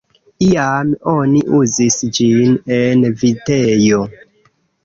Iam oni uzis ĝin en vitejo.